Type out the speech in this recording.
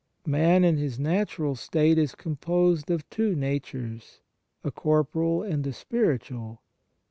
Man in his natural state is composed of two natures a corporal and a spiritual.